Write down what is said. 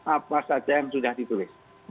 apa saja yang sudah ditulis